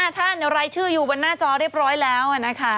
ท่านรายชื่ออยู่บนหน้าจอเรียบร้อยแล้วนะคะ